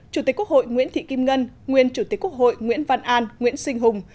chủ tịch quốc hội nguyễn thị kim ngân nguyên chủ tịch quốc hội nguyễn văn an nguyễn sinh hùng